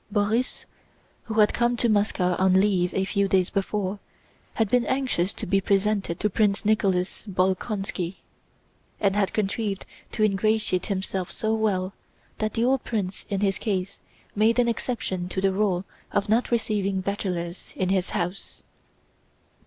Borís, who had come to Moscow on leave a few days before, had been anxious to be presented to Prince Nicholas Bolkónski, and had contrived to ingratiate himself so well that the old prince in his case made an exception to the rule of not receiving bachelors in his house.